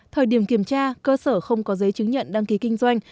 thời điểm kiểm tra cơ sở không có giấy chứng nhận đăng ký kinh doanh